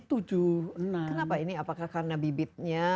kenapa ini apakah karena bibitnya